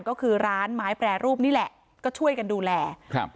ก็คือร้านไม้แปรรูปนี่แหละก็ช่วยกันดูแลครับ